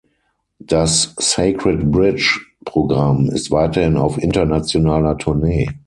Das „Sacred Bridge“-Programm ist weiterhin auf internationaler Tournee.